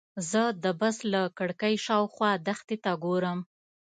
زه د بس له کړکۍ شاوخوا دښتې ته ګورم.